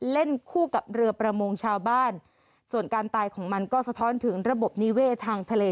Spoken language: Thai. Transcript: เล่นคู่กับเรือประมงชาวบ้านส่วนการตายของมันก็สะท้อนถึงระบบนิเวศทางทะเล